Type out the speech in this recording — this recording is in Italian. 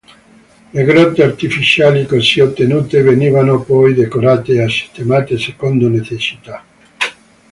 Le grotte artificiali così ottenute venivano poi decorate e sistemate secondo necessità.